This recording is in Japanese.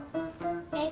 えっ。